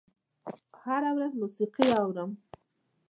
هره ورځ موسیقي اورم